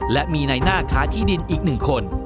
และมีในหน้าค้าที่ดินอีก๑คน